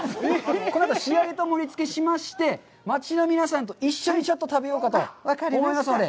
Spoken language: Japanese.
このあと、仕上げと盛りつけしまして、町の皆さんと一緒にちょっと食べようかと思いますので。